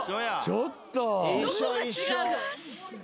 ちょっと。